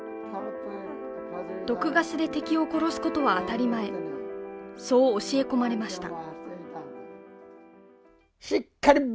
毒ガスで敵を殺すことは当たり前そう教え込まれました。